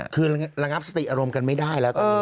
คือระงับสติอารมณ์กันไม่ได้แล้วตอนนี้